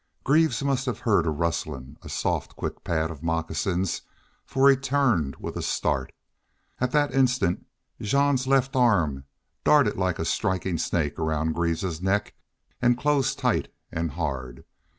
Greaves must have heard a rustling a soft, quick pad of moccasin, for he turned with a start. And that instant Jean's left arm darted like a striking snake round Greaves's neck and closed tight and hard.